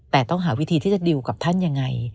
แต่ต้องหาวิธีที่จะดิวกับท่านยังไง